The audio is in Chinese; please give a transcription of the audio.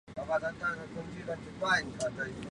后杨欣果然被鲜卑若罗拔能于武威击败并被杀害。